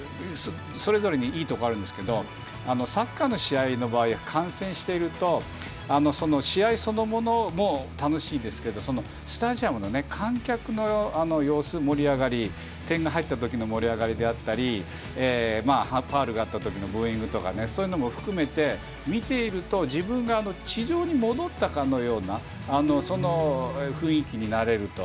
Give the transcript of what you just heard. それぞれにいいところがありますいけどサッカーの試合の場合観戦していると試合そのものも楽しいですけどスタジアムの観客の様子点が入った時の盛り上がりであったりファウルがあった時のブーイングとかそういうのも含めて見ていると自分が地上に戻ったかのような雰囲気になれると。